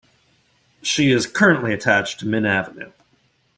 She is currently attached to Mint Avenue.